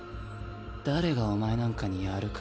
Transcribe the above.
誰がお前なんかにやるか。